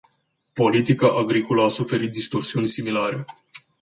Politica agricolă a suferit distorsiuni similare.